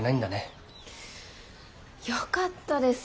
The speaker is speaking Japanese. よかったです